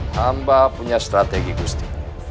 hamba punya strategi gusti